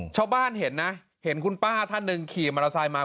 ชาวบ้านเห็นนะเห็นคุณป้าท่านหนึ่งขี่มอเตอร์ไซค์มา